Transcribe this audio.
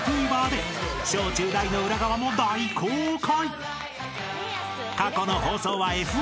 ［小中大の裏側も大公開！］